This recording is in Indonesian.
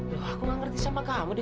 loh aku nggak ngerti sama kamu deh